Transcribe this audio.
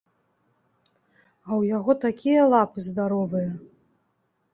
А ў яго такія лапы здаровыя.